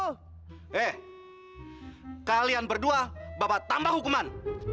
eh kalian berdua bapak tambah hukuman